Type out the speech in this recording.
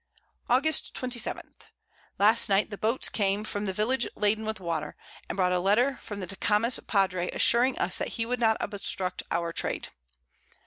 August 27. Last Night the Boats came from the Village Laden with Water, and brought a Letter from the Tecames Padre, assuring us he would not obstruct our Trade.